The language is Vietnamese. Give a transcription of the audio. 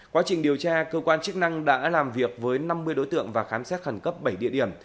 quá trình điều tra cơ quan chức năng đã làm việc với năm mươi đối tượng và khám xét khẩn cấp bảy địa điểm